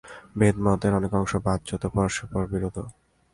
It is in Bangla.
বেদমতের অনেক অংশ বাহ্যত পরস্পরবিরুদ্ধ।